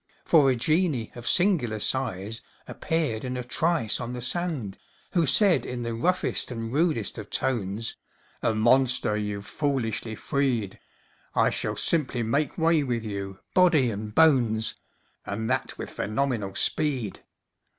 For a genie of singular size Appeared in a trice on the sand, Who said in the roughest and rudest of tones: "A monster you've foolishly freed! I shall simply make way with you, body and bones, And that with phenomenal speed!"